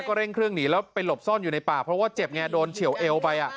เร่งเครื่องหนีแล้วไปหลบซ่อนอยู่ในป่าเพราะว่าเจ็บไงโดนเฉียวเอวไป